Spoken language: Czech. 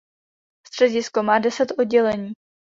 Středisko má deset oddělení.